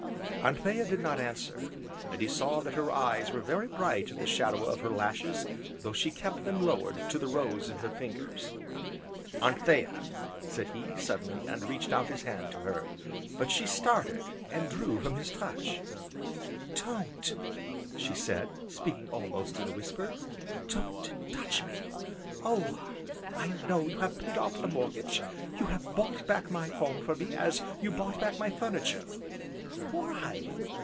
Anthea did not answer, and he saw that her eyes were very bright in the shadow of her lashes though she kept them lowered to the rose in her fingers. "Anthea!" said he, suddenly, and reached out his hand to her. But she started and drew from his touch. "Don't!" she said, speaking almost in a whisper, "don't touch me. Oh! I know you have paid off the mortgage you have bought back my home for me as you bought back my furniture! Why?